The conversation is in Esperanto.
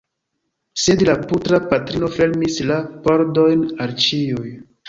Sed la putra patrino fermis la pordojn al ĉiuj!